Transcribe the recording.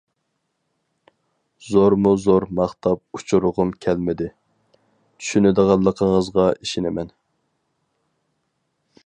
زورمۇ زور ماختاپ ئۇچۇرغۇم كەلمىدى، چۈشىنىدىغانلىقىڭىزغا ئىشىنىمەن.